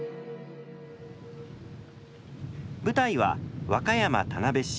舞台は和歌山・田辺市。